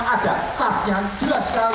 ada tank yang jelas sekali